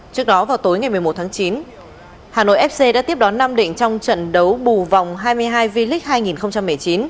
trước đó vào tối ngày một mươi một tháng chín hà nội fc đã tiếp đón nam định trong trận đấu bù vòng hai mươi hai v league hai nghìn một mươi chín